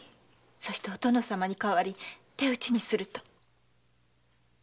そしてお殿様に代わり手討ちにすると。